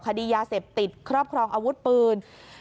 คดียาเสพติดครอบครองอาวุธปืน